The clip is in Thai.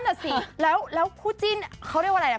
น่ะสิแล้วคู่จิ้นเขาเรียกว่าอะไรอ่ะ